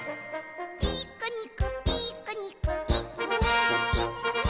「ピクニックピクニックいちにいちに」